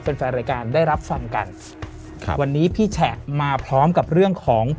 แฟนแฟนรายการได้รับฟังกันครับวันนี้พี่แฉะมาพร้อมกับเรื่องของ